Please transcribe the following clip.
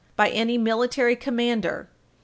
. by any military commander .